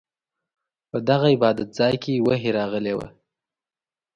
په دغه عبادت ځاې کې وحې راغلې وه.